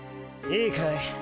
いいかい？